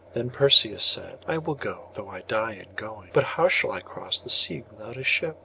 Then Perseus said, 'I will go, though I die in going. But how shall I cross the seas without a ship?